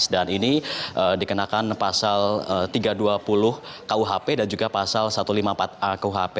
dan ini dikenakan pasal tiga dua puluh kuhp dan juga pasal satu lima puluh empat a kuhp